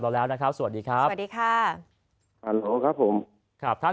เราแล้วนะครับสวัสดีครับสวัสดีค่ะครับผมครับผมครับท่าน